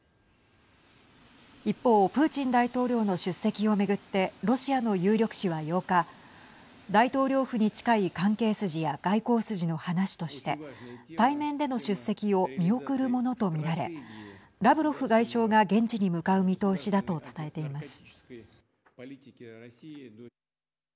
一方プーチン大統領の出席を巡ってロシアの有力紙は８日大統領府に近い関係筋や外交筋の話として対面での出席を見送るものと見られラブロフ外相が現地に向かう見通しだと伝えています。